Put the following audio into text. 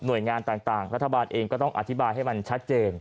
โดยงานต่างรัฐบาลเองก็ต้องอธิบายให้มันชัดเจน